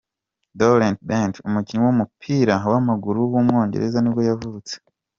Darren Bent, umukinnyi w’umupira w’amaguru w’umwongereza nibwo yavutse.